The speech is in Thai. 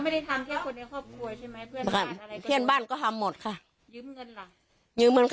ที่ย่านบ้านก็ทำหมดค่ะเงินเงินค่ะ